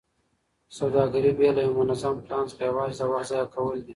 سوداګري بې له یوه منظم پلان څخه یوازې د وخت ضایع کول دي.